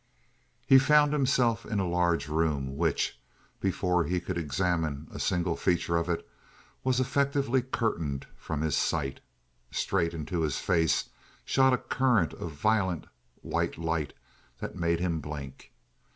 7 He found himself in a large room which, before he could examine a single feature of it, was effectively curtained from his sight. Straight into his face shot a current of violent white light that made him blink.